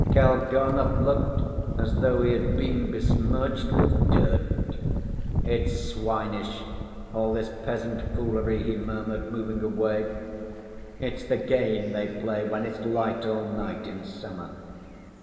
Kalganov looked as though he had been besmirched with dirt. "It's swinish, all this peasant foolery," he murmured, moving away; "it's the game they play when it's light all night in summer."